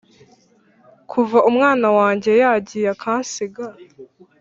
kuva umwana wanjye yagiye akansiga